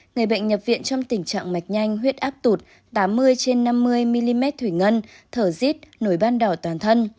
người bệnh nhập viện trong tình trạng mạch nhanh huyết áp tụt tám mươi trên năm mươi mm thủy ngân thở dít nổi ban đỏ toàn thân